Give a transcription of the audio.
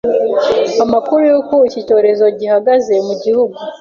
amakuru y'uko iki cyorezo gihagaze mu gihugu.